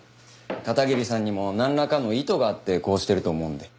片桐さんにもなんらかの意図があってこうしてると思うんで。